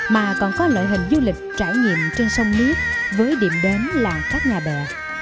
mà còn có lợi hình du lịch trải nghiệm trên sông niết với điểm đến làng khác nhà bè